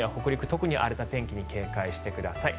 特に荒れた天気に警戒してください。